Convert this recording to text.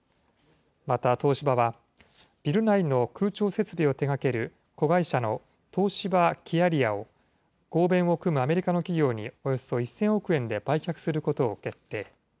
また東芝は、ビル内の空調設備を手がける子会社の東芝キヤリアを合弁を組むアメリカの企業におよそ１０００億円で売却することを決定。